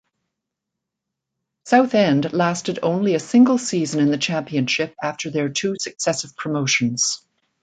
Southend lasted only a single season in the Championship after their two successive promotions.